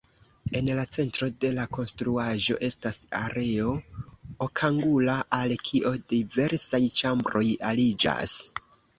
En la centro de la konstruaĵo estas areo okangula, al kio diversaj ĉambroj aliĝas.